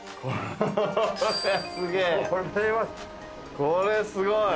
これ、すごい！